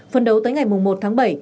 phần đầu tới ngày một tháng bảy